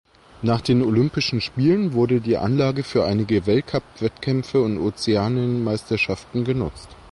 Nach den Olympischen Spielen wurde die Anlage für einige Weltcup Wettkämpfe und Ozeanienmeisterschaften genutzt.